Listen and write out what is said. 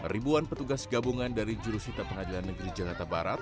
ribuan petugas gabungan dari jurusita pengadilan negeri jakarta barat